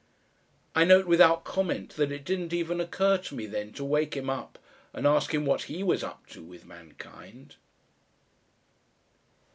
I note without comment that it didn't even occur to me then to wake him up and ask him what HE was up to with mankind.